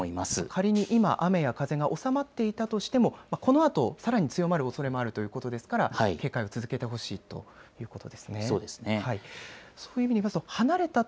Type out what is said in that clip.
仮に今、雨や風が収まっていたとしてもこのあと、さらに強まるおそれもあるということですから警戒を続けてほしいということですね。